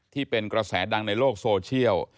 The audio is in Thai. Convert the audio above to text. ที่เป็นกระแสดังในโลกโซเชียล